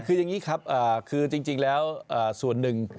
คืออย่างนี้ครับคือจริงแล้วส่วนหนึ่ง